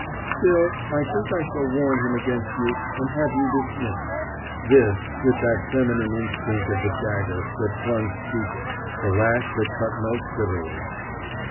"Still, I think I shall warn him against you, and have you dismissed," this with that feminine instinct of the dagger that plunged deepest, the lash that cut most bitterly.